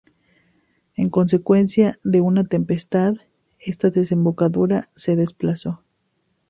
En consecuencia de una tempestad, esta desembocadura se desplazó.